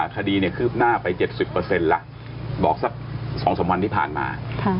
คดีคืบหน้าไป๗๐แล้วบอกสัก๒๓วันที่ผ่านมา